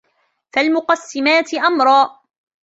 فَالْمُقَسِّمَاتِ أَمْرًا